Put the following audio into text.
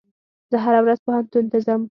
زه هره ورځ پوهنتون ته ځم.